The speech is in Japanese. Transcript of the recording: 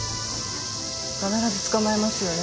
必ず捕まえますよね？